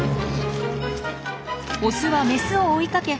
オスはメスを追いかけ